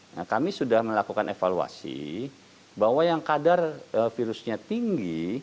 nah kami sudah melakukan evaluasi bahwa yang kadar virusnya tinggi